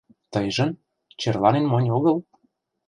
Тыйжын... черланен монь огыл?